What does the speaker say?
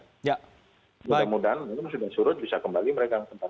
mudah mudahan ini sudah surut bisa kembali mereka ke tempat masing masing